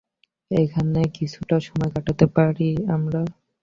এখানে কিছুটা সময় কাটাতে পারি আমরা?